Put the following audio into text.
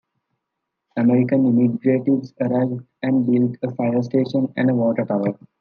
American immigrants arrived and built a fire station and a water tower.